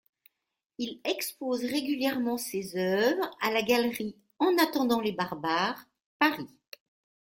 Il expose régulièrement ses œuvres à la galerie En Attendant les Barbares, Paris.